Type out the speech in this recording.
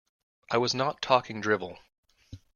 I was not talking drivel.